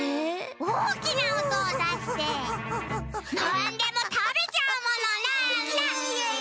おおきなおとをだしてなんでもたべちゃうものなんだ？